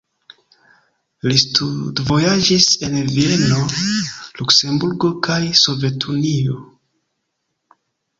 Li studvojaĝis en Vieno, Luksemburgo kaj Sovetunio.